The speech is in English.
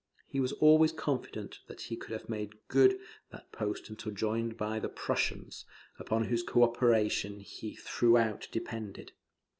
He was always confident that he could have made good that post until joined by the Prussians, upon whose co operation he throughout depended.